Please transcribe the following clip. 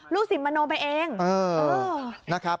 ลูกศิษย์มโนไปเอง